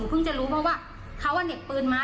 หนูเพิ่งจะรู้เพราะว่าเขาอันเด็กปืนมา